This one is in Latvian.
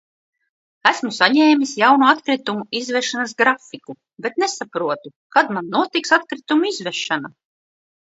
Esmu saņēmis jauno atkritumu izvešanas grafiku, bet nesaprotu, kad man notiks atkritumu izvešana?